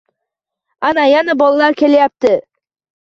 Ana, yana bolalar kelyapti